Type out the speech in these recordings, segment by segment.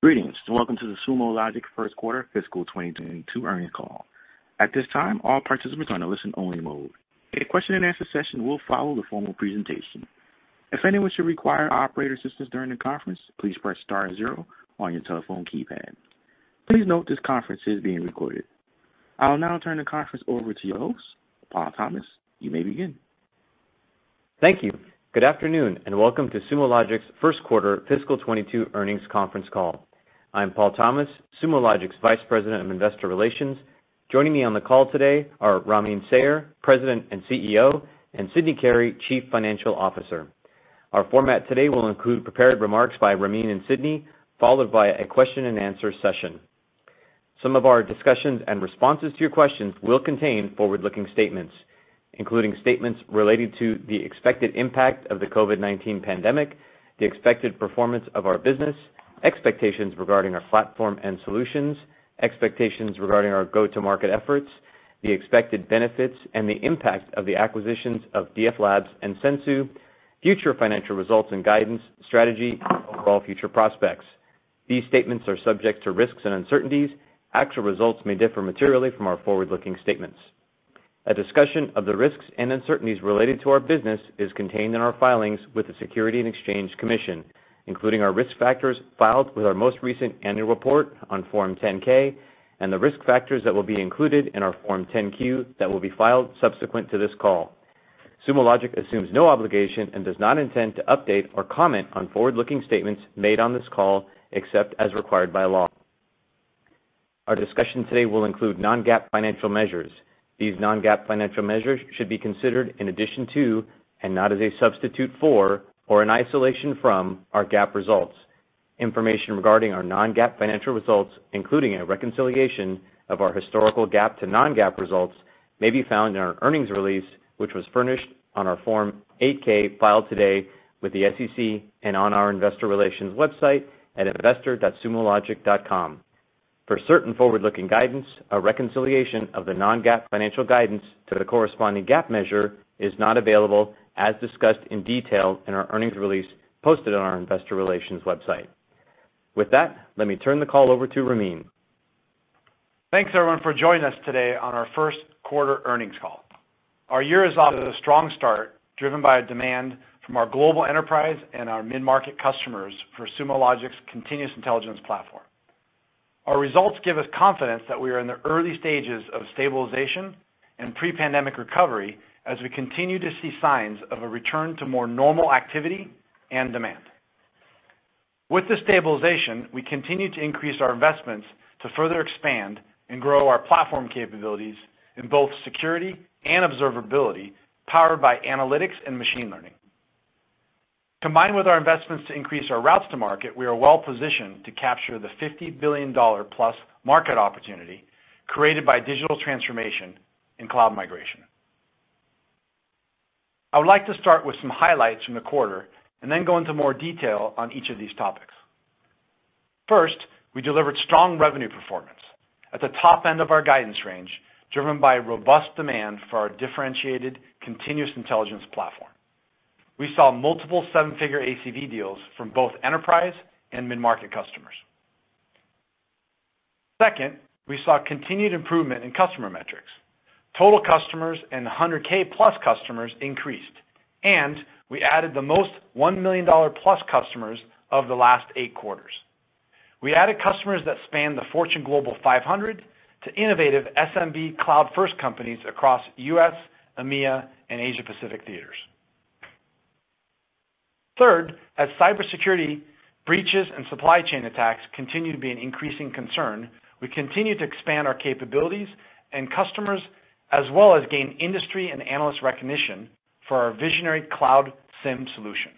Greetings, and welcome to the Sumo Logic first quarter fiscal 2022 earnings call. At this time, all participants are in a listen-only mode. A question-and-answer session will follow the formal presentation. Please note this conference is being recorded. I will now turn the conference over to your host, Paul Thomas. You may begin. Thank you. Good afternoon, welcome to Sumo Logic's first quarter fiscal 2022 earnings conference call. I'm Paul Thomas, Sumo Logic's Vice President of Investor Relations. Joining me on the call today are Ramin Sayar, President and CEO, and Stewart Grierson, Chief Financial Officer. Our format today will include prepared remarks by Ramin and Stewart, followed by a question-and-answer session. Some of our discussions and responses to your questions will contain forward-looking statements, including statements related to the expected impact of the COVID-19 pandemic, the expected performance of our business, expectations regarding our platform and solutions, expectations regarding our go-to-market efforts, the expected benefits and the impact of the acquisitions of DFLabs and Sensu, future financial results and guidance, strategy, and overall future prospects. These statements are subject to risks and uncertainties. Actual results may differ materially from our forward-looking statements. A discussion of the risks and uncertainties related to our business is contained in our filings with the Securities and Exchange Commission, including our risk factors filed with our most recent annual report on Form 10-K, and the risk factors that will be included in our Form 10-Q that will be filed subsequent to this call. Sumo Logic assumes no obligation and does not intend to update or comment on forward-looking statements made on this call, except as required by law. Our discussion today will include non-GAAP financial measures. These non-GAAP financial measures should be considered in addition to, and not as a substitute for, or in isolation from, our GAAP results. Information regarding our non-GAAP financial results, including a reconciliation of our historical GAAP to non-GAAP results, may be found in our earnings release, which was furnished on our Form 8-K filed today with the SEC and on our investor relations website at investor.sumologic.com. For certain forward-looking guidance, a reconciliation of the non-GAAP financial guidance to the corresponding GAAP measure is not available, as discussed in detail in our earnings release posted on our investor relations website. With that, let me turn the call over to Ramin. Thanks, everyone, for joining us today on our first quarter earnings call. Our year is off to a strong start, driven by demand from our global enterprise and our mid-market customers for Sumo Logic's Continuous Intelligence Platform. Our results give us confidence that we are in the early stages of stabilization and pre-pandemic recovery as we continue to see signs of a return to more normal activity and demand. With the stabilization, we continue to increase our investments to further expand and grow our platform capabilities in both security and observability, powered by analytics and machine learning. Combined with our investments to increase our routes to market, we are well-positioned to capture the $50 billion-plus market opportunity created by digital transformation and cloud migration. I would like to start with some highlights from the quarter and then go into more detail on each of these topics. First, we delivered strong revenue performance at the top end of our guidance range, driven by robust demand for our differentiated Continuous Intelligence Platform. We saw multiple seven-figure ACV deals from both enterprise and mid-market customers. Second, we saw continued improvement in customer metrics. Total customers and 100,000+ customers increased, and we added the most $1 million-plus customers of the last eight quarters. We added customers that span the Fortune Global 500 to innovative SMB cloud-first companies across U.S., EMEA, and Asia Pacific theaters. As cybersecurity breaches and supply chain attacks continue to be an increasing concern, we continue to expand our capabilities and customers, as well as gain industry and analyst recognition for our visionary Cloud SIEM solution.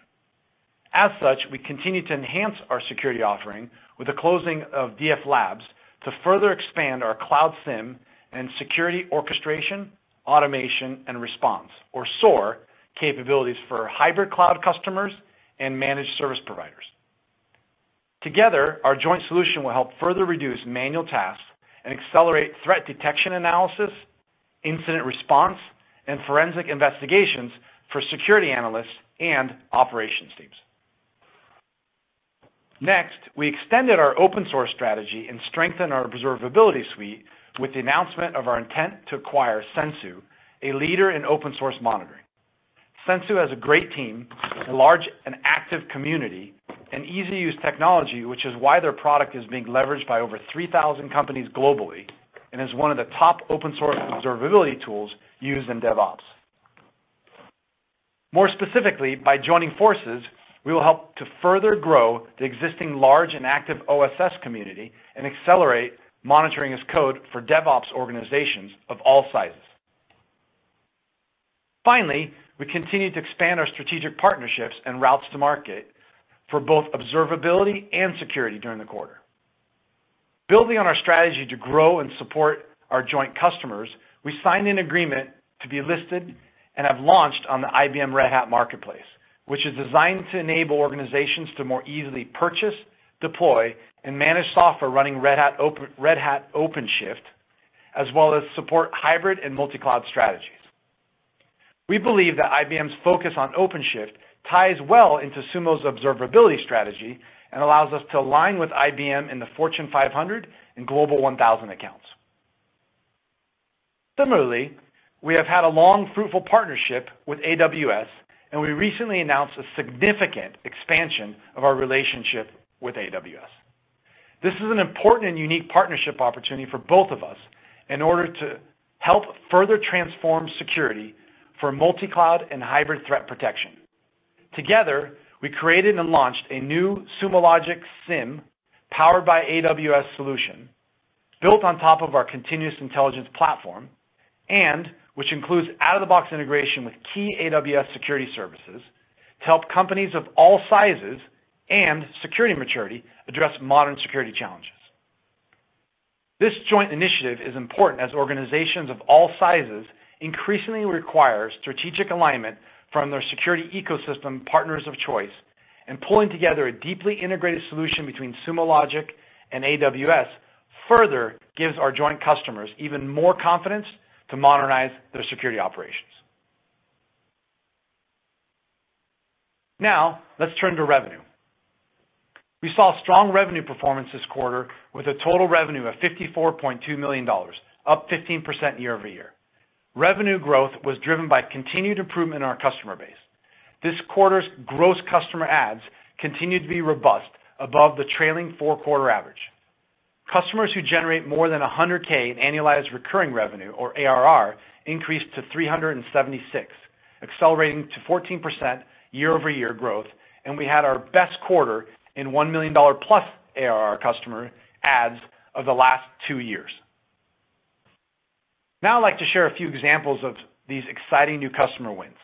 As such, we continue to enhance our security offering with the closing of DFLabs to further expand our Cloud SIEM and security orchestration, automation, and response, or SOAR, capabilities for our hybrid cloud customers and managed service providers. Together, our joint solution will help further reduce manual tasks and accelerate threat detection analysis, incident response, and forensic investigations for security analysts and operations teams. We extended our open-source strategy and strengthened our Observability Suite with the announcement of our intent to acquire Sensu, a leader in open-source monitoring. Sensu has a great team, a large and active community, and easy-to-use technology, which is why their product is being leveraged by over 3,000 companies globally and is one of the top open-source observability tools used in DevOps. More specifically, by joining forces, we will help to further grow the existing large and active OSS community and accelerate monitoring as code for DevOps organizations of all sizes. We continue to expand our strategic partnerships and routes to market for both observability and security during the quarter. Building on our strategy to grow and support our joint customers, we signed an agreement to be listed and have launched on the IBM Red Hat Marketplace, which is designed to enable organizations to more easily purchase, deploy, and manage software running Red Hat OpenShift, as well as support hybrid and multi-cloud strategies. We believe that IBM's focus on OpenShift ties well into Sumo's observability strategy and allows us to align with IBM in the Fortune 500 and Global 1000 accounts. Similarly, we have had a long, fruitful partnership with AWS, and we recently announced a significant expansion of our relationship with AWS. This is an important and unique partnership opportunity for both of us in order to help further transform security for multi-cloud and hybrid threat protection. Together, we created and launched a new Sumo Logic SIEM powered by AWS solution built on top of our Continuous Intelligence Platform and which includes out-of-the-box integration with key AWS security services to help companies of all sizes and security maturity address modern security challenges. This joint initiative is important as organizations of all sizes increasingly require strategic alignment from their security ecosystem partners of choice and pulling together a deeply integrated solution between Sumo Logic and AWS further gives our joint customers even more confidence to modernize their security operations. Let's turn to revenue. We saw strong revenue performance this quarter with a total revenue of $54.2 million, up 15% year-over-year. Revenue growth was driven by continued improvement in our customer base. This quarter's gross customer adds continued to be robust above the trailing four-quarter average. Customers who generate more than 100,000 annualized recurring revenue or ARR increased to 376, accelerating to 14% year-over-year growth, and we had our best quarter in $1 million-plus ARR customer adds of the last two years. Now I'd like to share a few examples of these exciting new customer wins.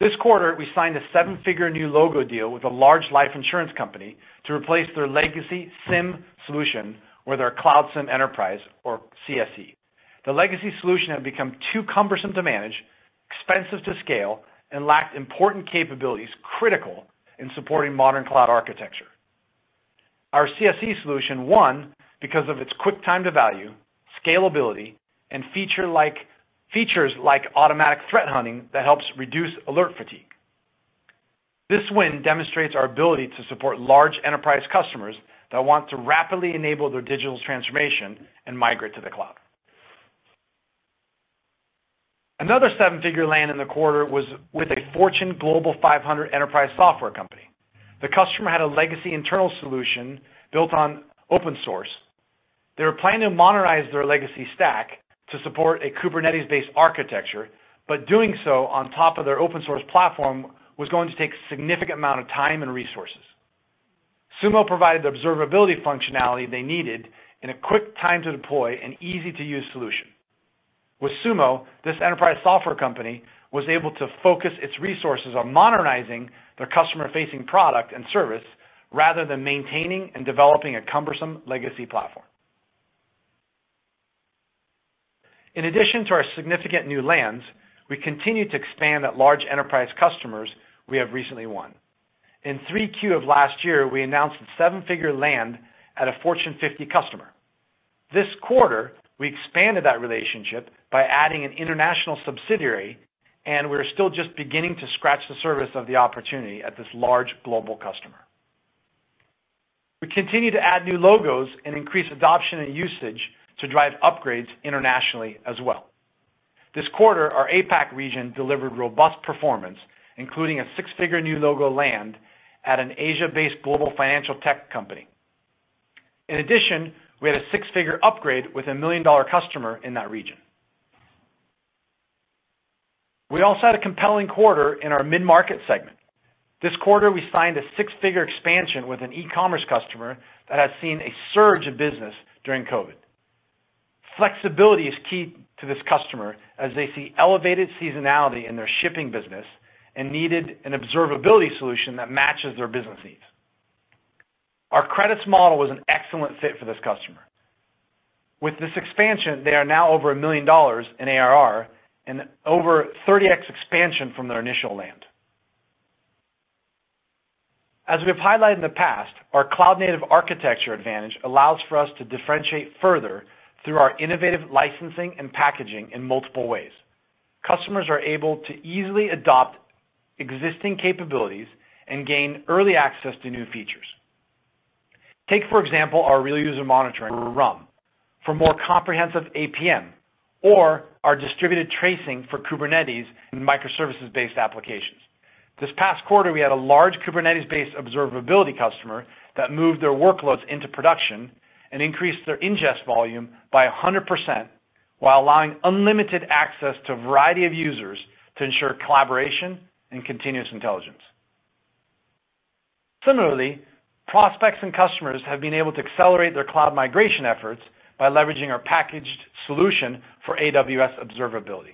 This quarter, we signed a seven-figure new logo deal with a large life insurance company to replace their legacy SIEM solution with our Cloud SIEM Enterprise or CSE. The legacy solution had become too cumbersome to manage, expensive to scale, and lacked important capabilities critical in supporting modern cloud architecture. Our CSE solution won because of its quick time to value, scalability, and features like automatic threat hunting that helps reduce alert fatigue. This win demonstrates our ability to support large enterprise customers that want to rapidly enable their digital transformation and migrate to the cloud. Another seven-figure land in the quarter was with a Fortune Global 500 enterprise software company. The customer had a legacy internal solution built on open source. They were planning to modernize their legacy stack to support a Kubernetes-based architecture, but doing so on top of their open source platform was going to take a significant amount of time and resources. Sumo provided the observability functionality they needed in a quick time to deploy and easy-to-use solution. With Sumo, this enterprise software company was able to focus its resources on modernizing their customer-facing product and service rather than maintaining and developing a cumbersome legacy platform. In addition to our significant new lands, we continue to expand at large enterprise customers we have recently won. In 3Q of last year, we announced a seven-figure land at a Fortune 50 customer. This quarter, we expanded that relationship by adding an international subsidiary, and we're still just beginning to scratch the surface of the opportunity at this large global customer. We continue to add new logos and increase adoption and usage to drive upgrades internationally as well. This quarter, our APAC region delivered robust performance, including a six-figure new logo land at an Asia-based global financial tech company. In addition, we had a six-figure upgrade with a million-dollar customer in that region. We also had a compelling quarter in our mid-market segment. This quarter, we signed a six-figure expansion with an e-commerce customer that has seen a surge of business during COVID. Flexibility is key to this customer as they see elevated seasonality in their shipping business and needed an observability solution that matches their business needs. Our credits model was an excellent fit for this customer. With this expansion, they are now over $1 million in ARR and over 30x expansion from their initial land. As we've highlighted in the past, our cloud-native architecture advantage allows for us to differentiate further through our innovative licensing and packaging in multiple ways. Customers are able to easily adopt existing capabilities and gain early access to new features. Take, for example, our Real User Monitoring, RUM, for more comprehensive APM, or our distributed tracing for Kubernetes and microservices-based applications. This past quarter, we had a large Kubernetes-based observability customer that moved their workloads into production and increased their ingest volume by 100% while allowing unlimited access to a variety of users to ensure collaboration and Continuous Intelligence. Similarly, prospects and customers have been able to accelerate their cloud migration efforts by leveraging our packaged solution for AWS observability.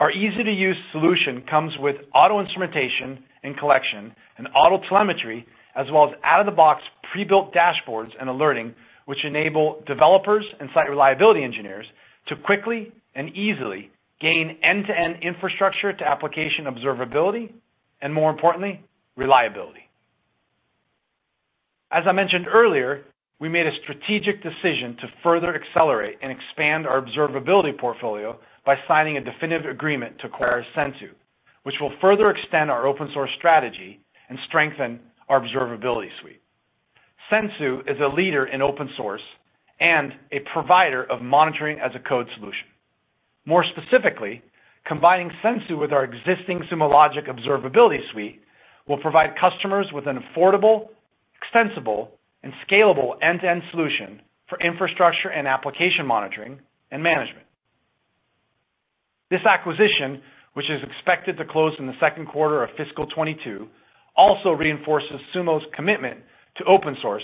Our easy-to-use solution comes with auto-instrumentation and collection and auto telemetry as well as out-of-the-box pre-built dashboards and alerting, which enable developers and site reliability engineers to quickly and easily gain end-to-end infrastructure to application observability and, more importantly, reliability. As I mentioned earlier, we made a strategic decision to further accelerate and expand our observability portfolio by signing a definitive agreement to acquire Sensu, which will further extend our open source strategy and strengthen our observability suite. Sensu is a leader in open source and a provider of monitoring-as-a-code solution. More specifically, combining Sensu with our existing Sumo Logic Observability Suite will provide customers with an affordable, extensible, and scalable end-to-end solution for infrastructure and application monitoring and management. This acquisition, which is expected to close in the second quarter of fiscal 2022, also reinforces Sumo's commitment to open source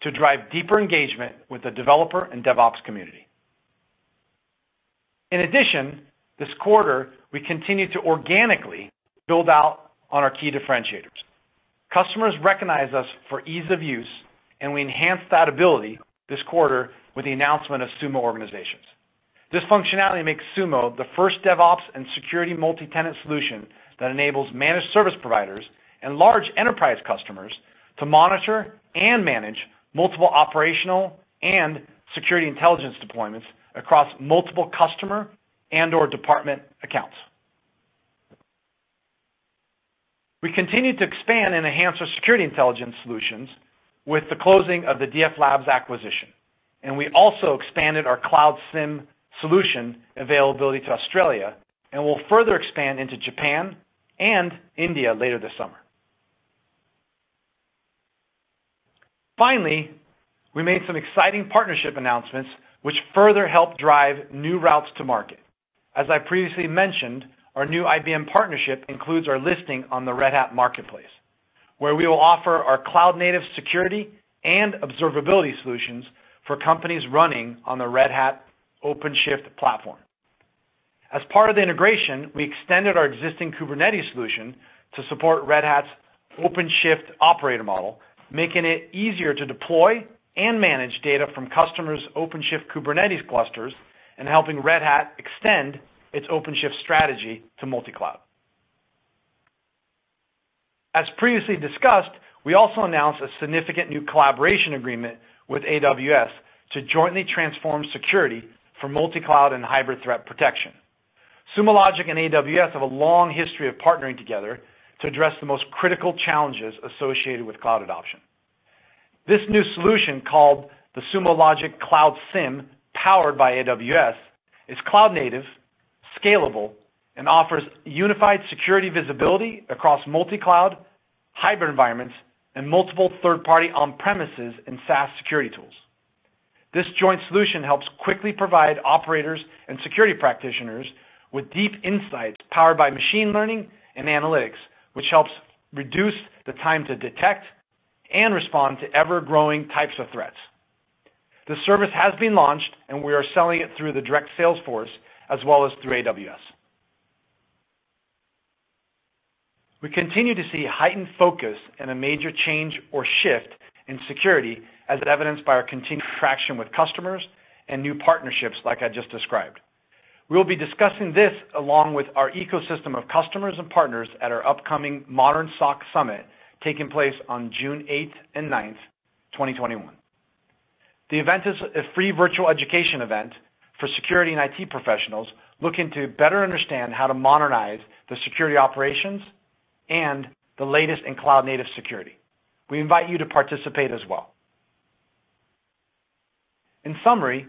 to drive deeper engagement with the developer and DevOps community. This quarter, we continued to organically build out on our key differentiators. Customers recognize us for ease of use, and we enhanced that ability this quarter with the announcement of Sumo Organizations. This functionality makes Sumo the first DevOps and security multi-tenant solution that enables managed service providers and large enterprise customers to monitor and manage multiple operational and security intelligence deployments across multiple customer and/or department accounts. We continued to expand and enhance our security intelligence solutions with the closing of the DF Labs acquisition. We also expanded our Cloud SIEM solution availability to Australia and will further expand into Japan and India later this summer. We made some exciting partnership announcements, which further helped drive new routes to market. As I previously mentioned, our new IBM partnership includes our listing on the Red Hat Marketplace, where we will offer our cloud-native security and observability solutions for companies running on the Red Hat OpenShift platform. As part of the integration, we extended our existing Kubernetes solution to support Red Hat OpenShift operator model, making it easier to deploy and manage data from customers' OpenShift Kubernetes clusters and helping Red Hat extend its OpenShift strategy to multi-cloud. As previously discussed, we also announced a significant new collaboration agreement with AWS to jointly transform security for multi-cloud and hybrid threat protection. Sumo Logic and AWS have a long history of partnering together to address the most critical challenges associated with cloud adoption. This new solution, called the Sumo Logic Cloud SIEM powered by AWS, is cloud-native, scalable, and offers unified security visibility across multi-cloud, hybrid environments, and multiple third-party on-premises and SaaS security tools. This joint solution helps quickly provide operators and security practitioners with deep insights powered by machine learning and analytics, which helps reduce the time to detect and respond to ever-growing types of threats. The service has been launched, and we are selling it through the direct sales force as well as through AWS. We continue to see heightened focus and a major change or shift in security as evidenced by our continued traction with customers and new partnerships like I just described. We'll be discussing this along with our ecosystem of customers and partners at our upcoming Modern SOC Summit taking place on June 8th and 9th, 2021. The event is a free virtual education event for security and IT professionals looking to better understand how to modernize their security operations and the latest in cloud-native security. We invite you to participate as well. In summary,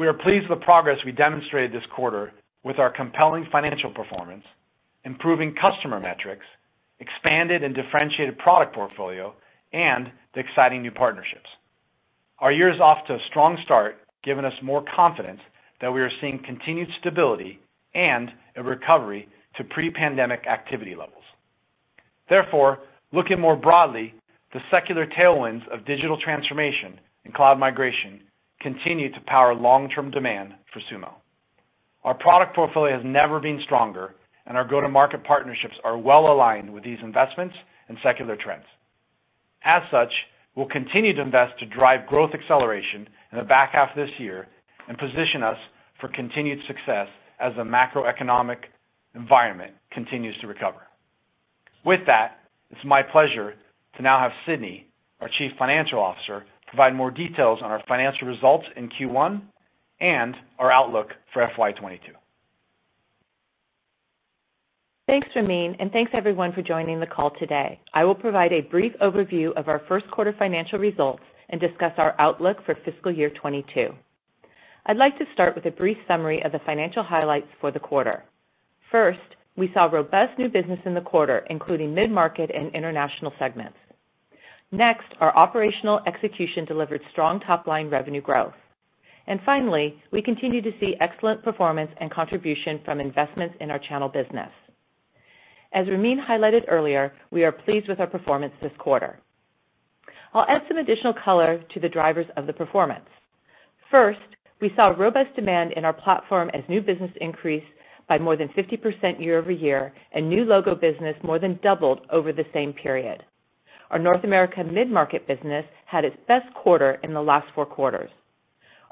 we are pleased with the progress we demonstrated this quarter with our compelling financial performance, improving customer metrics, expanded and differentiated product portfolio, and the exciting new partnerships. Our year is off to a strong start, giving us more confidence that we are seeing continued stability and a recovery to pre-pandemic activity levels. Therefore, looking more broadly, the secular tailwinds of digital transformation and cloud migration continue to power long-term demand for Sumo. Our product portfolio has never been stronger, and our go-to-market partnerships are well-aligned with these investments and secular trends. As such, we'll continue to invest to drive growth acceleration in the back half of this year and position us for continued success as the macroeconomic environment continues to recover. With that, it's my pleasure to now have Stewart, our Chief Financial Officer, provide more details on our financial results in Q1 and our outlook for FY 2022. Thanks, Ramin. Thanks, everyone, for joining the call today. I will provide a brief overview of our first quarter financial results and discuss our outlook for fiscal year 2022. I'd like to start with a brief summary of the financial highlights for the quarter. First, we saw robust new business in the quarter, including mid-market and international segments. Next, our operational execution delivered strong top-line revenue growth. Finally, we continue to see excellent performance and contribution from investments in our channel business. As Ramin highlighted earlier, we are pleased with our performance this quarter. I'll add some additional color to the drivers of the performance. First, we saw robust demand in our platform as new business increased by more than 50% year-over-year, and new logo business more than doubled over the same period. Our North American mid-market business had its best quarter in the last four quarters.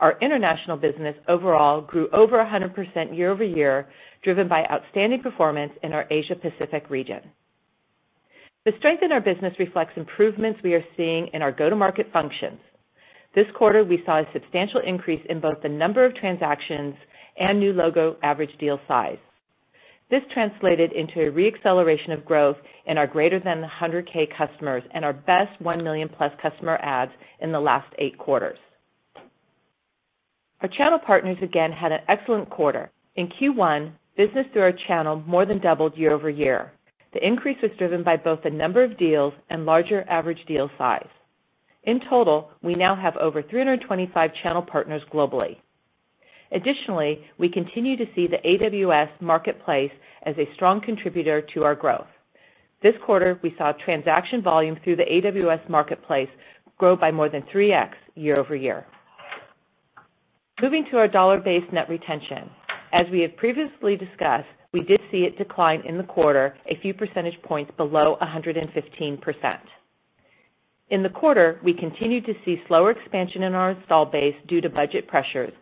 Our international business overall grew over 100% year-over-year, driven by outstanding performance in our Asia Pacific region. The strength in our business reflects improvements we are seeing in our go-to-market functions. This quarter, we saw a substantial increase in both the number of transactions and new logo average deal size. This translated into a re-acceleration of growth in our greater than 100,000 customers and our best 1 million-plus customer adds in the last eight quarters. Our channel partners again had an excellent quarter. In Q1, business through our channel more than doubled year-over-year. The increase was driven by both the number of deals and larger average deal size. In total, we now have over 325 channel partners globally. Additionally, we continue to see the AWS Marketplace as a strong contributor to our growth. This quarter, we saw transaction volume through the AWS Marketplace grow by more than 3x year-over-year. As we have previously discussed, we did see it decline in the quarter a few percentage points below 115%. In the quarter, we continued to see slower expansion in our install base due to budget pressures.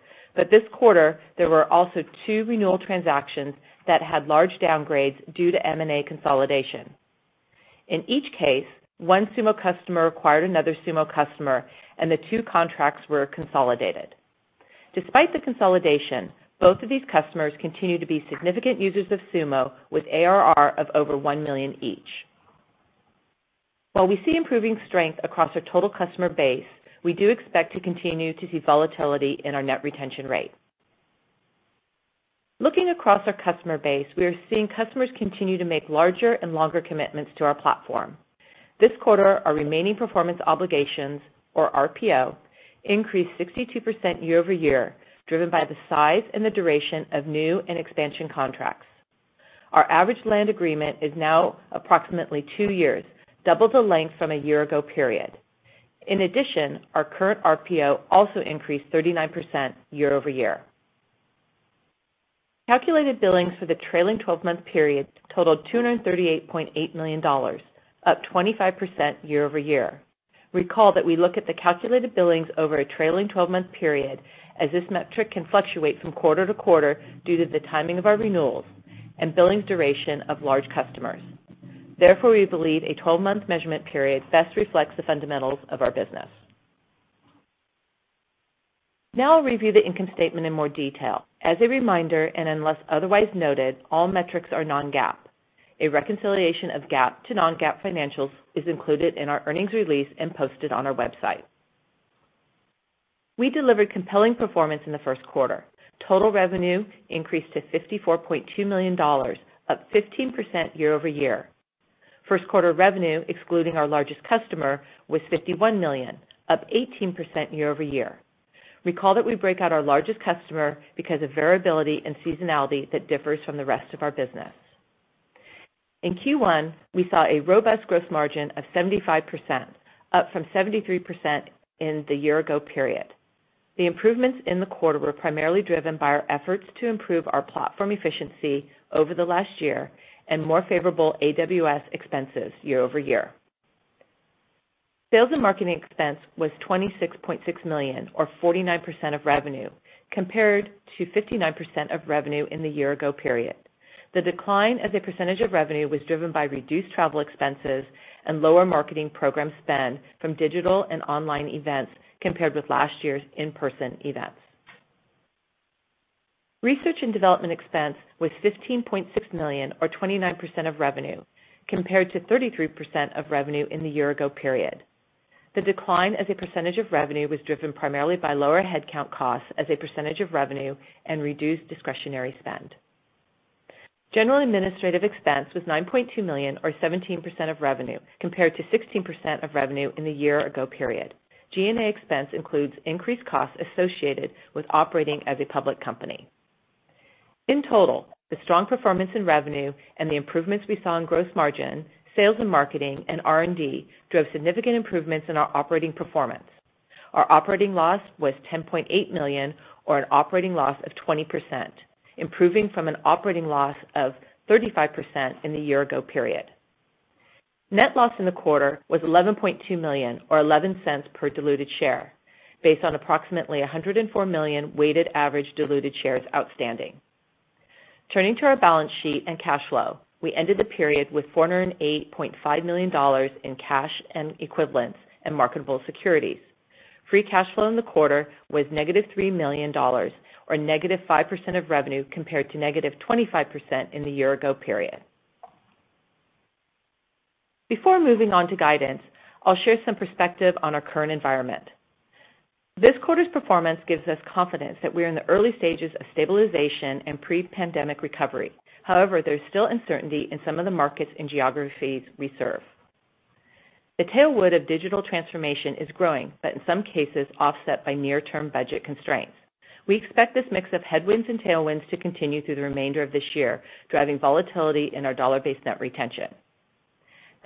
This quarter, there were also two renewal transactions that had large downgrades due to M&A consolidation. In each case, one Sumo customer acquired another Sumo customer, and the two contracts were consolidated. Despite the consolidation, both of these customers continue to be significant users of Sumo with ARR of over $1 million each. While we see improving strength across our total customer base, we do expect to continue to see volatility in our net retention rate. Looking across our customer base, we are seeing customers continue to make larger and longer commitments to our platform. This quarter, our remaining performance obligations, or RPO, increased 62% year-over-year, driven by the size and the duration of new and expansion contracts. Our average land agreement is now approximately two years, double the length from a year ago period. In addition, our current RPO also increased 39% year-over-year. Calculated billings for the trailing 12-month period totaled $238.8 million, up 25% year-over-year. Recall that we look at the calculated billings over a trailing 12-month period, as this metric can fluctuate from quarter to quarter due to the timing of our renewals and billing duration of large customers. Therefore, we believe a 12-month measurement period best reflects the fundamentals of our business. Now I'll review the income statement in more detail. As a reminder, and unless otherwise noted, all metrics are non-GAAP. A reconciliation of GAAP to non-GAAP financials is included in our earnings release and posted on our website. We delivered compelling performance in the first quarter. Total revenue increased to $54.2 million, up 15% year-over-year. First quarter revenue, excluding our largest customer, was $51 million, up 18% year-over-year. Recall that we break out our largest customer because of variability and seasonality that differs from the rest of our business. In Q1, we saw a robust gross margin of 75%, up from 73% in the year ago period. The improvements in the quarter were primarily driven by our efforts to improve our platform efficiency over the last year and more favorable AWS expenses year-over-year. Sales and marketing expense was $26.6 million, or 49% of revenue, compared to 59% of revenue in the year ago period. The decline as a percentage of revenue was driven by reduced travel expenses and lower marketing program spend from digital and online events compared with last year's in-person events. Research and development expense was $15.6 million, or 29% of revenue, compared to 33% of revenue in the year ago period. The decline as a percentage of revenue was driven primarily by lower headcount costs as a percentage of revenue and reduced discretionary spend. General and administrative expense was $9.2 million, or 17% of revenue, compared to 16% of revenue in the year ago period. G&A expense includes increased costs associated with operating as a public company. In total, the strong performance in revenue and the improvements we saw in gross margin, sales and marketing, and R&D drove significant improvements in our operating performance. Our operating loss was $10.8 million, or an operating loss of 20%, improving from an operating loss of 35% in the year-ago period. Net loss in the quarter was $11.2 million, or $0.11 per diluted share, based on approximately 104 million weighted average diluted shares outstanding. Turning to our balance sheet and cash flow, we ended the period with $408.5 million in cash and equivalents and marketable securities. Free cash flow in the quarter was negative $3 million, or negative 5% of revenue, compared to negative 25% in the year-ago period. Before moving on to guidance, I'll share some perspective on our current environment. This quarter's performance gives us confidence that we are in the early stages of stabilization and pre-pandemic recovery. There's still uncertainty in some of the markets and geographies we serve. The tailwind of digital transformation is growing, but in some cases offset by near-term budget constraints. We expect this mix of headwinds and tailwinds to continue through the remainder of this year, driving volatility in our dollar-based net retention.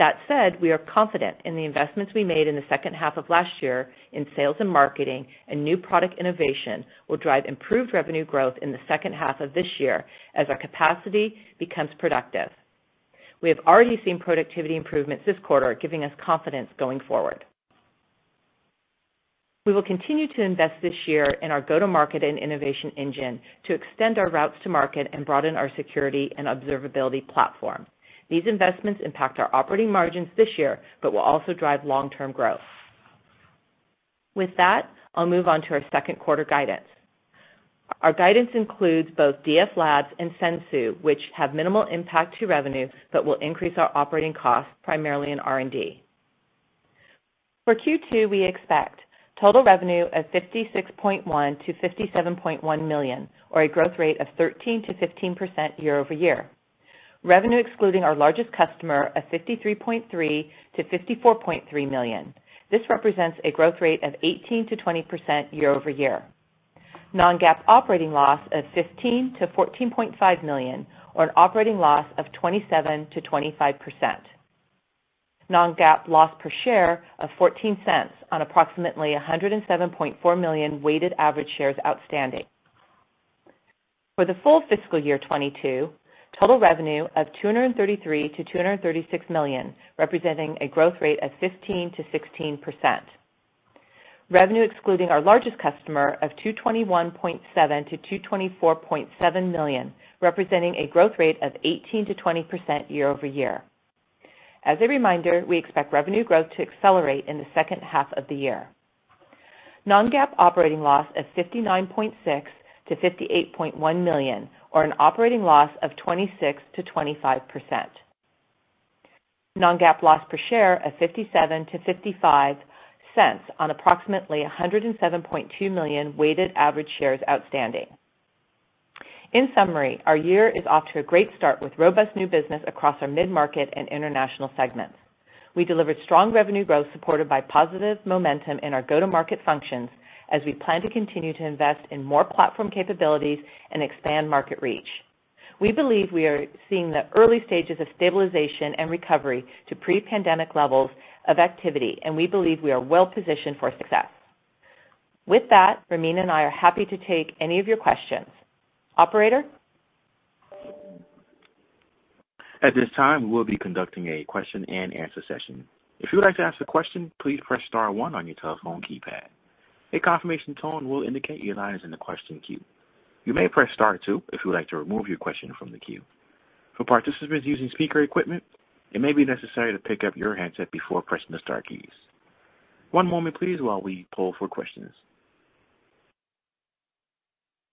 That said, we are confident in the investments we made in the second half of last year in sales and marketing and new product innovation will drive improved revenue growth in the second half of this year as our capacity becomes productive. We have already seen productivity improvements this quarter giving us confidence going forward. We will continue to invest this year in our go-to-market and innovation engine to extend our routes to market and broaden our security and observability platform. These investments impact our operating margins this year, but will also drive long-term growth. With that, I'll move on to our second quarter guidance. Our guidance includes both DFLabs and Sensu, which have minimal impact to revenues, but will increase our operating costs primarily in R&D. For Q2, we expect total revenue of $56.1 million-$57.1 million, or a growth rate of 13%-15% year-over-year. Revenue excluding our largest customer of $53.3 million-$54.3 million. This represents a growth rate of 18%-20% year-over-year. Non-GAAP operating loss of $15 million-$14.5 million or an operating loss of 27%-25%. Non-GAAP loss per share of $0.14 on approximately 107.4 million weighted average shares outstanding. For the full fiscal year 2022, total revenue of $233 million-$236 million, representing a growth rate of 15%-16%. Revenue excluding our largest customer of $221.7 million-$224.7 million, representing a growth rate of 18%-20% year-over-year. As a reminder, we expect revenue growth to accelerate in the second half of the year. Non-GAAP operating loss of $59.6 million-$58.1 million or an operating loss of 26%-25%. Non-GAAP loss per share of $0.57-$0.55 on approximately 107.2 million weighted average shares outstanding. In summary, our year is off to a great start with robust new business across our mid-market and international segments. We delivered strong revenue growth supported by positive momentum in our go-to-market functions as we plan to continue to invest in more platform capabilities and expand market reach. We believe we are seeing the early stages of stabilization and recovery to pre-pandemic levels of activity, and we believe we are well positioned for success. With that, Ramin and I are happy to take any of your questions. Operator?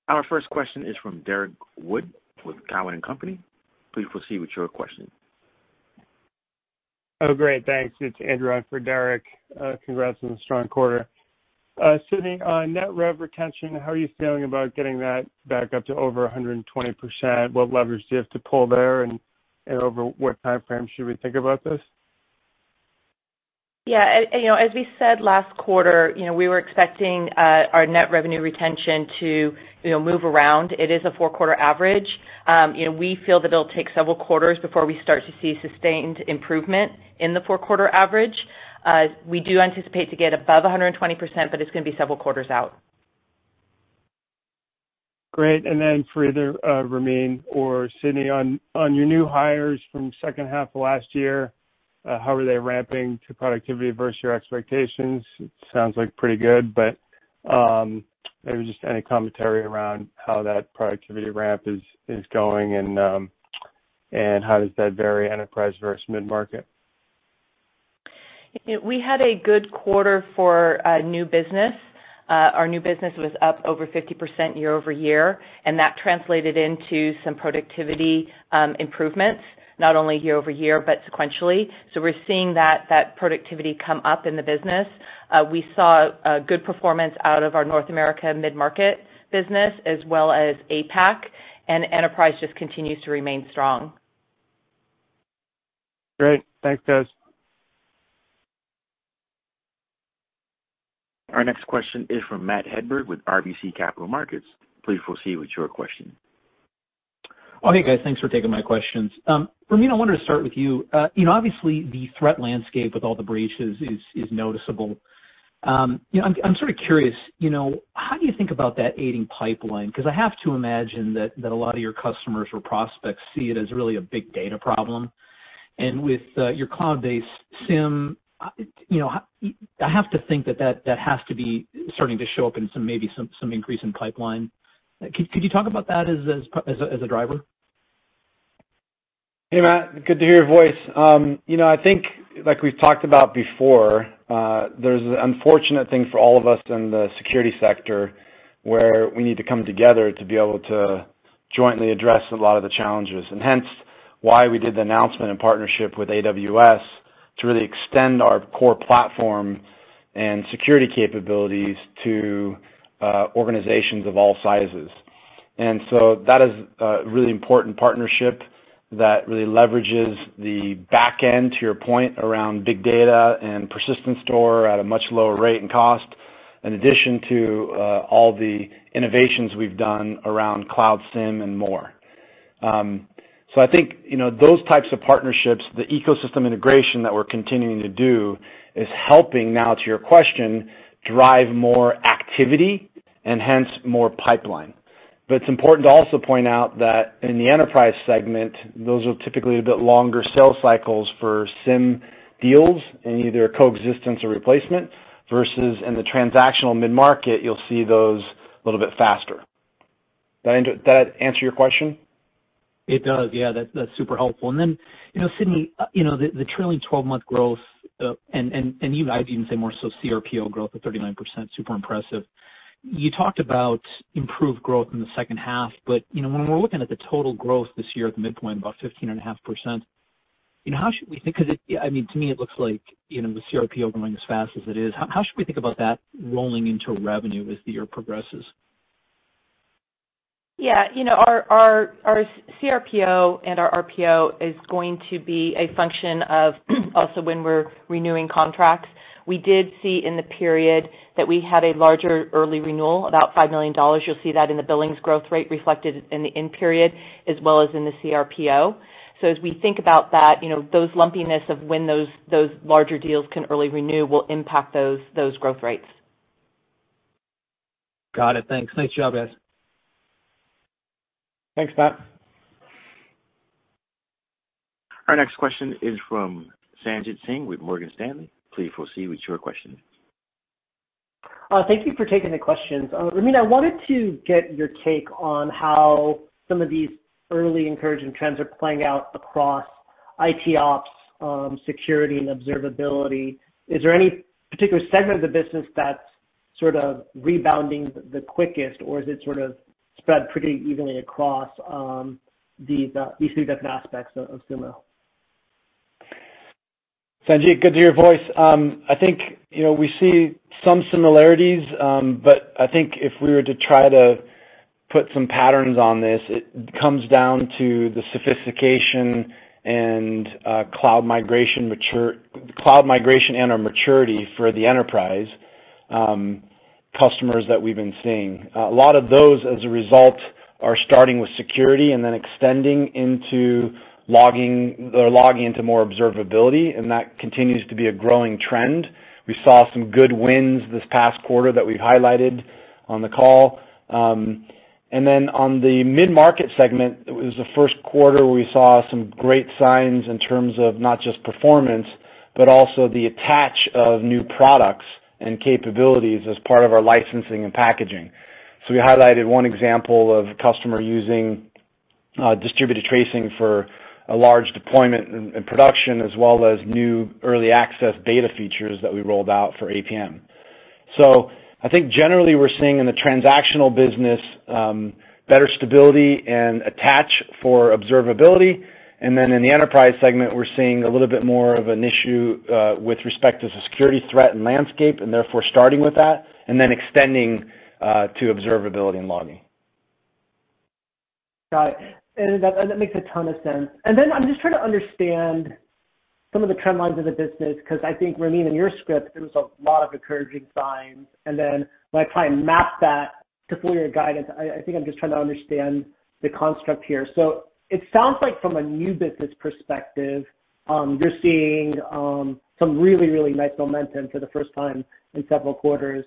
Our first question is from Derrick Wood with TD Cowen. Please proceed with your question. Oh, great. Thanks. It's Andrew on for Derrick. Congrats on the strong quarter. Stewart, on net rev retention, how are you feeling about getting that back up to over 120%? What leverage do you have to pull there and over what timeframe should we think about this? Yeah. As we said last quarter, we were expecting our net revenue retention to move around. It is a four-quarter average. We feel that it'll take several quarters before we start to see sustained improvement in the four-quarter average. We do anticipate to get above 120%, but it's going to be several quarters out. Great. For either Ramin or Stewart, on your new hires from the second half of last year, how are they ramping to productivity versus your expectations? It sounds like pretty good, but if there's just any commentary around how that productivity ramp is going and how does that vary, enterprise versus mid-market? We had a good quarter for new business. Our new business was up over 50% year-over-year, that translated into some productivity improvements, not only year-over-year, but sequentially. We're seeing that productivity come up in the business. We saw a good performance out of our North America mid-market business as well as APAC, enterprise just continues to remain strong. Great. Thanks, guys. Our next question is from Matt Hedberg with RBC Capital Markets. Please proceed with your question. Okay, guys, thanks for taking my questions. Ramin, I wanted to start with you. Obviously, the threat landscape with all the breaches is noticeable. I'm sort of curious, how do you think about that aiding pipeline? Because I have to imagine that a lot of your customers or prospects see it as really a big data problem. With your cloud-based SIEM, I have to think that has to be starting to show up in maybe some increase in pipeline. Could you talk about that as a driver? Hey, Matt. Good to hear your voice. I think like we've talked about before, there's an unfortunate thing for all of us in the security sector where we need to come together to be able to jointly address a lot of the challenges, and hence why we did the announcement in partnership with AWS to really extend our core platform and security capabilities to organizations of all sizes. That is a really important partnership that really leverages the back end, to your point, around big data and persistent store at a much lower rate and cost, in addition to all the innovations we've done around Cloud SIEM and more. I think those types of partnerships, the ecosystem integration that we're continuing to do is helping now, to your question, drive more activity and hence more pipeline. It's important to also point out that in the enterprise segment, those are typically a bit longer sales cycles for SIEM deals in either coexistence or replacement versus in the transactional mid-market, you'll see those a little bit faster. Does that answer your question? It does, yeah. That's super helpful. Then, Stewart, the trailing 12-month growth, and even I'd even say more so CRPO growth of 39%, super impressive. You talked about improved growth in the second half. When we're looking at the total growth this year at midpoint, about 15.5%, how should we think of it? To me, it looks like the CRPO growing as fast as it is. How should we think about that rolling into revenue as the year progresses? Our CRPO and our RPO is going to be a function of also when we're renewing contracts. We did see in the period that we had a larger early renewal, about $5 million. You'll see that in the billings growth rate reflected in the in-period as well as in the CRPO. As we think about that, those lumpiness of when those larger deals can early renew will impact those growth rates. Got it. Thanks. Thanks, Matt. Our next question is from Sanjit Singh with Morgan Stanley. Please proceed with your question. Thank you for taking the questions. Ramin, I wanted to get your take on how some of these early encouraging trends are playing out across ITOps, security, and observability. Is there any particular segment of the business that's rebounding the quickest, or is it spread pretty evenly across these three different aspects of Sumo? Sanjit, good to hear your voice. I think we see some similarities, but I think if we were to try to put some patterns on this, it comes down to the sophistication and cloud migration and/or maturity for the enterprise customers that we've been seeing. A lot of those, as a result, are starting with security and then extending into logging into more observability, and that continues to be a growing trend. We saw some good wins this past quarter that we highlighted on the call. On the mid-market segment, it was the first quarter we saw some great signs in terms of not just performance, but also the attach of new products and capabilities as part of our licensing and packaging. We highlighted one example of a customer using distributed tracing for a large deployment in production, as well as new early access data features that we rolled out for APM. I think generally we're seeing in the transactional business better stability and attach for observability, and then in the enterprise segment, we're seeing a little bit more of an issue with respect to security threat and landscape, and therefore starting with that, and then extending to observability and logging. Got it. That makes a ton of sense. Then I'm just trying to understand some of the trend lines of the business, because I think, Ramin, in your script, there was a lot of encouraging signs. Then when I try and map that to some of your guidance, I think I'm just trying to understand the construct here. It sounds like from a new business perspective, you're seeing some really, really nice momentum for the first time in several quarters.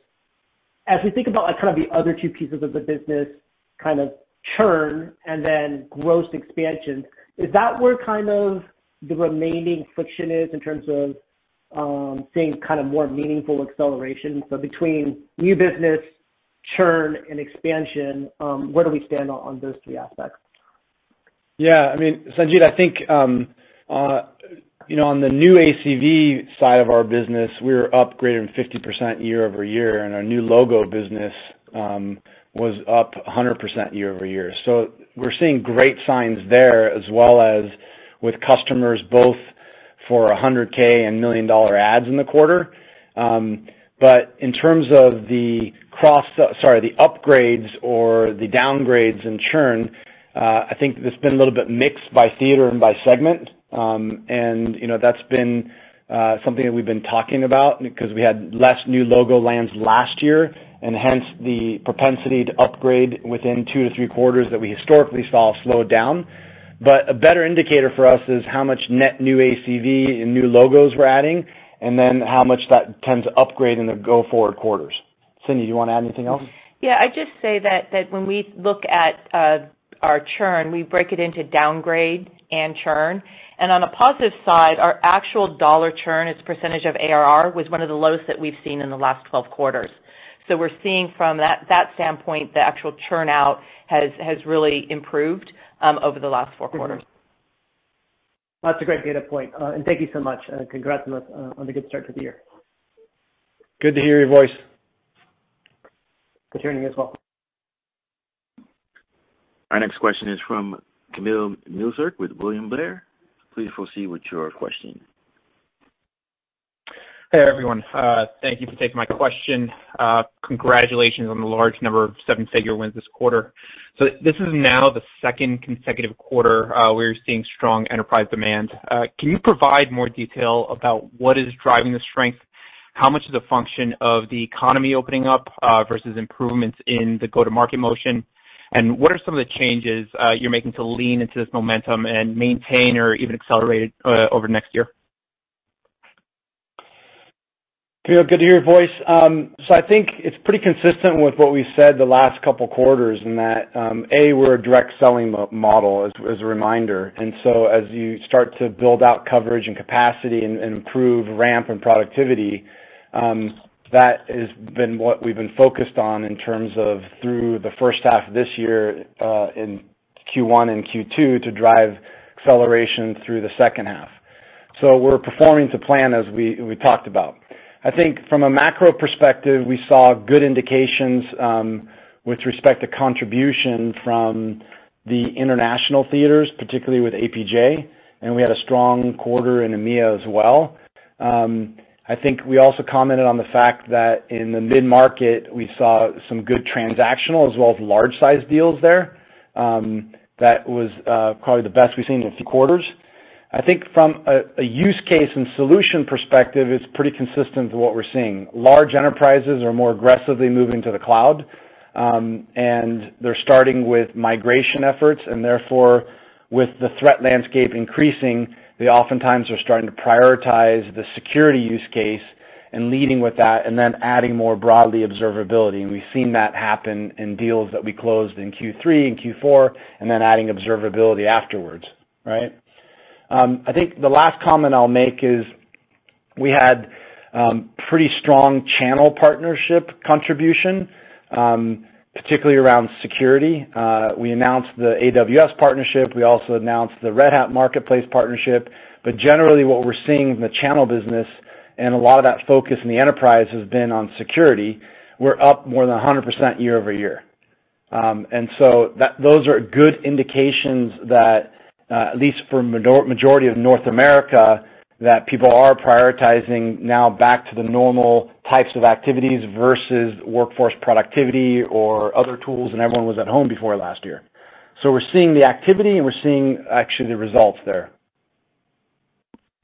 As we think about the other two pieces of the business, churn and then gross expansion, is that where the remaining friction is in terms of seeing more meaningful acceleration? Between new business, churn, and expansion, where do we stand on those three aspects? Sanjit, I think on the new ACV side of our business, we were up greater than 50% year over year, and our new logo business was up 100% year over year. We're seeing great signs there, as well as with customers both for 100,000 and million-dollar adds in the quarter. In terms of the upgrades or the downgrades and churn, I think it's been a little bit mixed by theater and by segment, and that's been something that we've been talking about because we had less new logo lands last year, and hence the propensity to upgrade within two to three quarters that we historically saw slowed down. A better indicator for us is how much net new ACV and new logos we're adding, and then how much that tends to upgrade in the go-forward quarters. Stewart, do you want to add anything else? Yeah, I'd just say that when we look at our churn, we break it into downgrade and churn. On the positive side, our actual dollar churn as a percentage of ARR was one of the lowest that we've seen in the last 12 quarters. We're seeing from that standpoint, the actual churn-out has really improved over the last four quarters. That's a great way to point. Thank you so much, and congrats on the good start to the year. Good to hear your voice. Good to hear you as well. Our next question is from Kamil Mielczarek with William Blair. Please proceed with your question. Hey, everyone. Thank you for taking my question. Congratulations on the large number of seven-figure wins this quarter. This is now the second consecutive quarter we're seeing strong enterprise demand. Can you provide more detail about what is driving the strength? How much is a function of the economy opening up versus improvements in the go-to-market motion? What are some of the changes you're making to lean into this momentum and maintain or even accelerate over next year? Good to hear your voice. I think it's pretty consistent with what we've said the last couple of quarters in that, A, we're a direct selling model, as a reminder. As you start to build out coverage and capacity and improve ramp and productivity, that has been what we've been focused on in terms of through the first half of this year in Q1 and Q2 to drive acceleration through the second half. We're performing to plan as we talked about. I think from a macro perspective, we saw good indications with respect to contribution from the international theaters, particularly with APJ, and we had a strong quarter in EMEA as well. I think we also commented on the fact that in the mid-market, we saw some good transactional as well as large size deals there. That was probably the best we've seen in a few quarters. From a use case and solution perspective, it's pretty consistent from what we're seeing. Large enterprises are more aggressively moving to the cloud. They're starting with migration efforts. With the threat landscape increasing, they oftentimes are starting to prioritize the security use case and leading with that, then adding more broadly observability. We've seen that happen in deals that we closed in Q3 and Q4, adding observability afterwards. Right. The last comment I'll make is we had pretty strong channel partnership contribution, particularly around security. We announced the AWS partnership. We also announced the Red Hat Marketplace partnership. Generally, what we're seeing in the channel business, a lot of that focus in the enterprise has been on security. We're up more than 100% year-over-year. Those are good indications that, at least for majority of North America, that people are prioritizing now back to the normal types of activities versus workforce productivity or other tools when everyone was at home before last year. We're seeing the activity, and we're seeing actually the results there.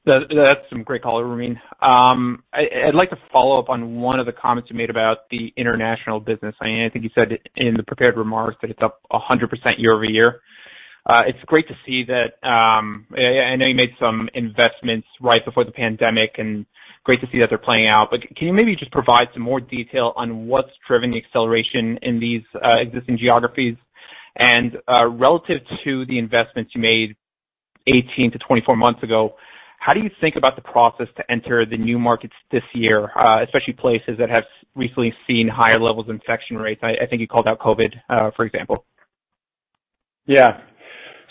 That's some great color, Ramin. I'd like to follow up on one of the comments you made about the international business. I think you said it in the prepared remarks that it's up 100% year-over-year. It's great to see that. I know you made some investments right before the pandemic, and great to see how they're playing out. Can you maybe just provide some more detail on what's driving the acceleration in these existing geographies? And relative to the investments you made 18-24 months ago, how do you think about the process to enter the new markets this year, especially places that have recently seen higher levels of infection rates? I think you called out COVID, for example. Yeah.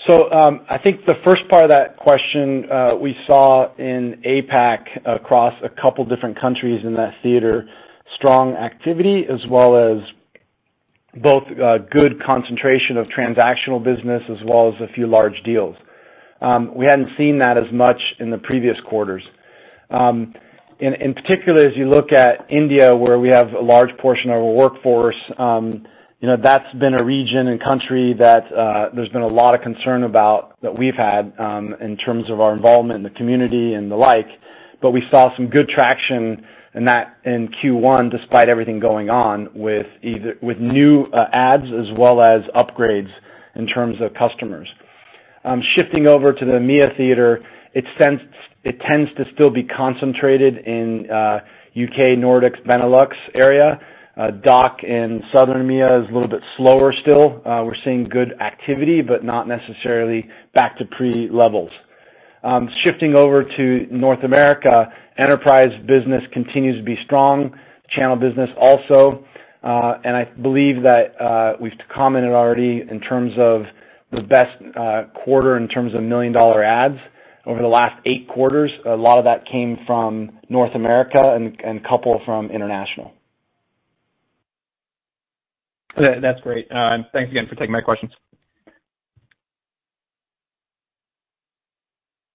I think the first part of that question we saw in APAC across a couple of different countries in that theater, strong activity, as well as both good concentration of transactional business as well as a few large deals. We hadn't seen that as much in the previous quarters. In particular, as you look at India, where we have a large portion of our workforce, that's been a region and country that there's been a lot of concern about that we've had in terms of our involvement in the community and the like. We saw some good traction in that in Q1, despite everything going on with new adds as well as upgrades in terms of customers. Shifting over to the EMEA theater, it tends to still be concentrated in U.K., Nordic, Benelux area. DACH and Southern EMEA is a little bit slower still. We're seeing good activity, but not necessarily back to pre-levels. Shifting over to North America, enterprise business continues to be strong, channel business also. I believe that we've commented already in terms of the best quarter in terms of million-dollar adds over the last eight quarters. A lot of that came from North America and a couple from international. That's great. Thanks again for taking my question.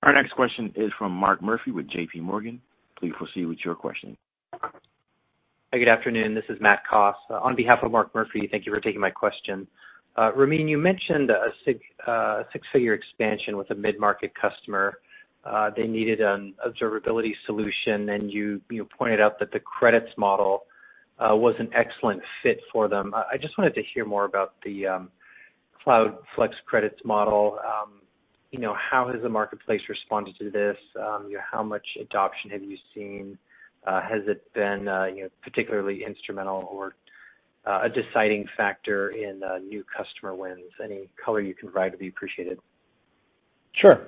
Our next question is from Mark Murphy with J.P. Morgan. Please proceed with your question. Good afternoon. This is Matthew Coss. On behalf of Mark Murphy, thank you for taking my question. Ramin, you mentioned a six-figure expansion with a mid-market customer. They needed an observability solution, and you pointed out that the credits model was an excellent fit for them. I just wanted to hear more about the Cloud Flex Credits model. How has the marketplace responded to this? How much adoption have you seen? Has it been particularly instrumental or a deciding factor in new customer wins? Any color you can provide would be appreciated. Sure.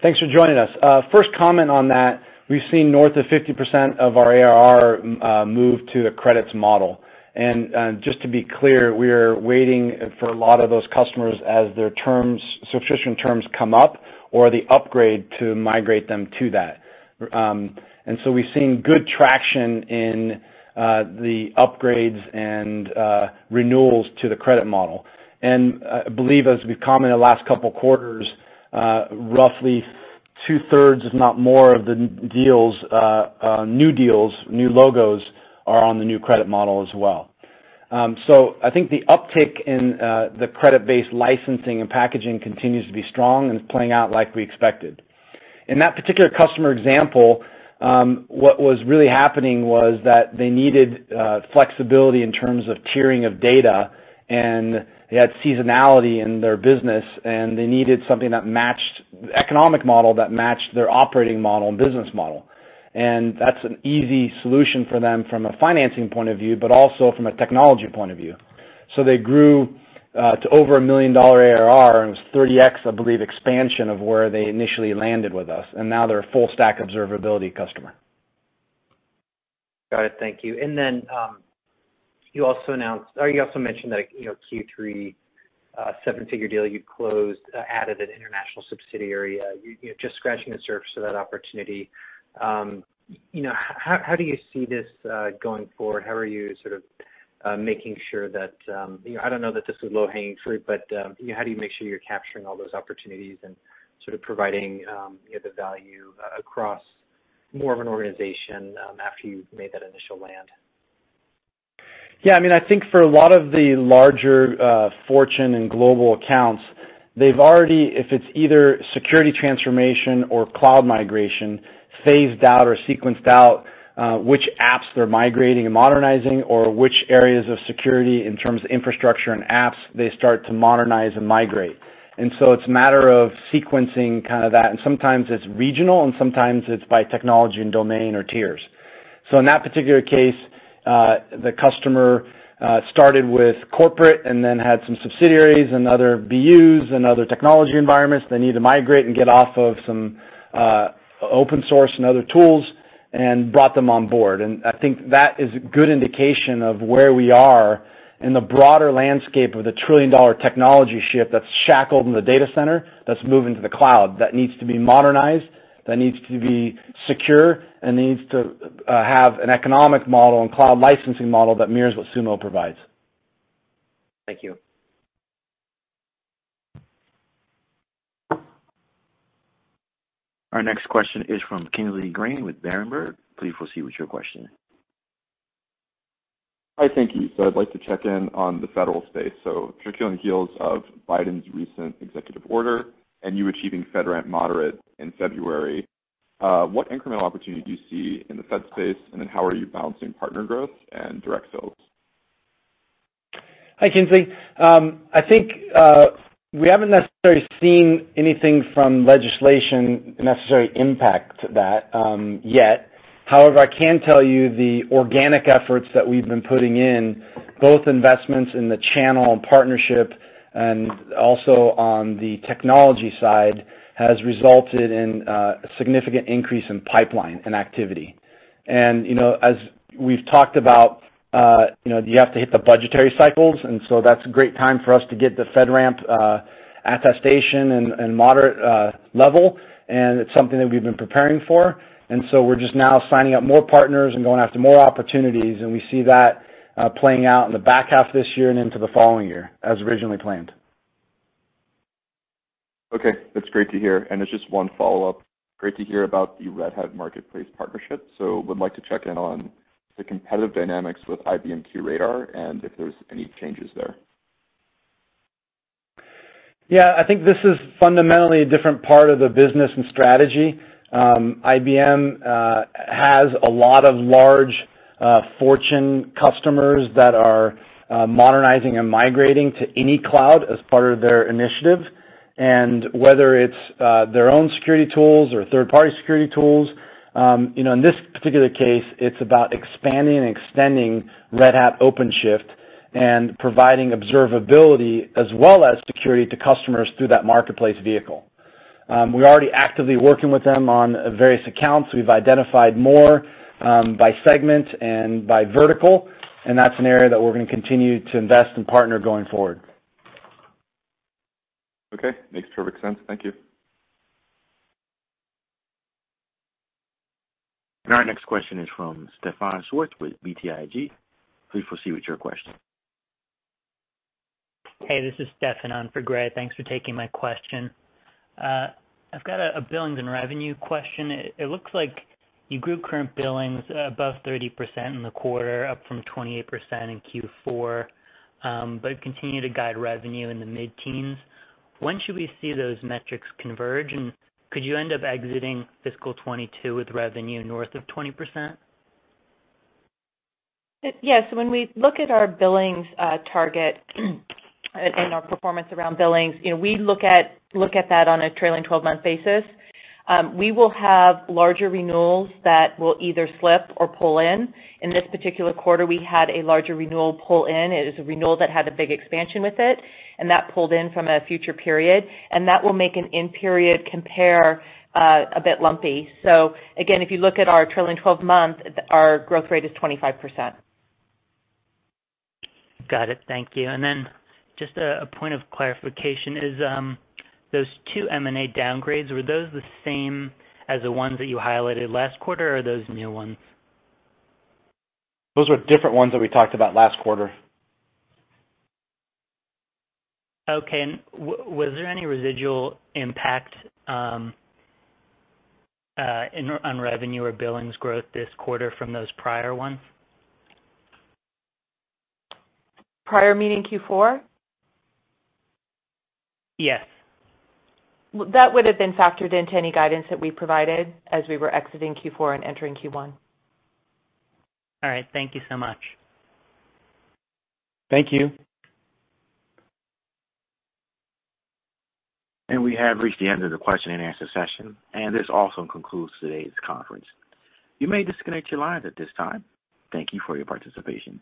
Thanks for joining us. First comment on that, we've seen north of 50% of our ARR move to the credits model. Just to be clear, we are waiting for a lot of those customers as their subscription terms come up or the upgrade to migrate them to that. We've seen good traction in the upgrades and renewals to the credit model. I believe as we've commented the last couple of quarters, roughly two-thirds, if not more, of the new deals, new logos, are on the new credit model as well. I think the uptick in the credit-based licensing and packaging continues to be strong and is playing out like we expected. In that particular customer example what was really happening was that they needed flexibility in terms of tiering of data, and they had seasonality in their business, and they needed something that matched the economic model that matched their operating model and business model. That's an easy solution for them from a financing point of view, but also from a technology point of view. They grew to over a $1 million ARR, and it was 30x, I believe, expansion of where they initially landed with us, and now they're a full stack observability customer. Got it. Thank you. You also mentioned that Q3 seven-figure deal you closed out of an international subsidiary. You're just scratching the surface for that opportunity. How do you see this going forward? How are you making sure that, I don't know that this is low-hanging fruit, but how do you make sure you're capturing all those opportunities and providing the value across more of an organization after you've made that initial land? I think for a lot of the larger Fortune and global accounts, they've already, if it's either security transformation or cloud migration, phased out or sequenced out which apps they're migrating and modernizing or which areas of security in terms of infrastructure and apps they start to modernize and migrate. It's a matter of sequencing that. Sometimes it's regional and sometimes it's by technology and domain or tiers. In that particular case, the customer started with corporate and then had some subsidiaries and other BUs and other technology environments they need to migrate and get off of some open source and other tools and brought them on board. I think that is a good indication of where we are in the broader landscape of the trillion-dollar technology shift that's shackled in the data center that's moving to the cloud, that needs to be modernized, that needs to be secure, and needs to have an economic model and cloud licensing model that mirrors what Sumo provides. Thank you. Our next question is from Kingsley Crane with Berenberg. Please proceed with your question. Hi, thank you. I'd like to check in on the Fed space. Particularly on the heels of Biden's recent executive order and you achieving FedRAMP Moderate in February, what incremental opportunity do you see in the Fed space, and how are you balancing partner growth and direct sales? Hi, Kingsley. I think we haven't necessarily seen anything from legislation necessarily impact that yet. However, I can tell you the organic efforts that we've been putting in, both investments in the channel and partnership and also on the technology side, has resulted in a significant increase in pipeline and activity. As we've talked about, you have to hit the budgetary cycles, so that's a great time for us to get the FedRAMP attestation and moderate level, it's something that we've been preparing for. We're just now signing up more partners and going after more opportunities, we see that playing out in the back half this year and into the following year as originally planned. Okay. That's great to hear. It's just one follow-up. Great to hear about the Red Hat Marketplace partnership. Would like to check in on the competitive dynamics with IBM QRadar and if there's any changes there. I think this is fundamentally a different part of the business and strategy. IBM has a lot of large Fortune customers that are modernizing and migrating to any cloud as part of their initiative, and whether it's their own security tools or third-party security tools. In this particular case, it's about expanding and extending Red Hat OpenShift and providing observability as well as security to customers through that marketplace vehicle. We're already actively working with them on various accounts. We've identified more by segment and by vertical, and that's an area that we're going to continue to invest and partner going forward. Okay. Makes perfect sense. Thank you. Our next question is from Gray Powell with BTIG. Please proceed with your question. Hey, this is Gray Powell on for Greg. Thanks for taking my question. I've got a billings and revenue question. It looks like you grew current billings above 30% in the quarter, up from 28% in Q4, but continue to guide revenue in the mid-teens. When should we see those metrics converge? Could you end up exiting fiscal 2022 with revenue north of 20%? Yes. When we look at our billings target and our performance around billings, we look at that on a trailing 12-month basis. We will have larger renewals that will either slip or pull in. In this particular quarter, we had a larger renewal pull in. It was a renewal that had a big expansion with it, and that pulled in from a future period, and that will make an in-period compare a bit lumpy. Again, if you look at our trailing 12 months, our growth rate is 25%. Got it. Thank you. Just a point of clarification is those two M&A downgrades, were those the same as the ones that you highlighted last quarter, or are those new ones? Those are different ones than we talked about last quarter. Okay. Was there any residual impact on revenue or billings growth this quarter from those prior ones? Prior meaning Q4? Yes. That would have been factored into any guidance that we provided as we were exiting Q4 and entering Q1. All right. Thank you so much. Thank you. We have reached the end of the question and answer session, and this also concludes today's conference. You may disconnect your lines at this time. Thank you for your participation.